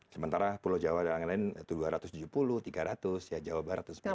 sementara pulau jawa dan yang lain lain itu dua ratus tujuh puluh tiga ratus ya jawa barat itu sepuluh